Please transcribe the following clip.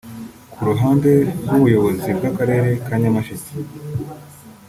Ku ruhande rw’ubuyobozi bw’akarere ka Nyamasheke